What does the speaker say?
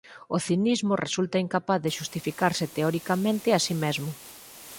O cinismo resulta incapaz de xustificarse teoricamente a si mesmo.